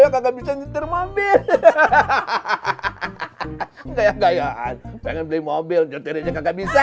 kayak gayaan pengen beli mobil jatir aja nggak bisa